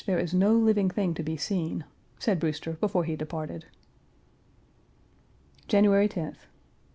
Page 341 is no living thing to be seen," said Brewster before he departed. January 10th.